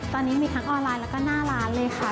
ตอนนี้มีทั้งออนไลน์แล้วก็หน้าร้านเลยค่ะ